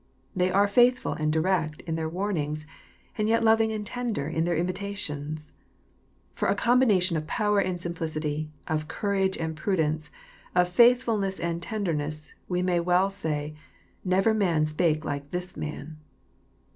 They are faithful and direct in their warnings, and yet loving and tender, in their invitations. For a combination of power and simplicity, of courage and prudence, of faithfulness and tenderness, we may well say, " Never man spake like this Man